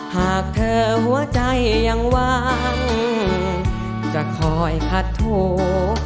หากเธอหัวใจยังวางจะคอยคัดโถ